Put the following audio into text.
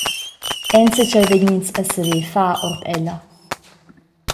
Enzatgei vegn ins a saver far ord ella.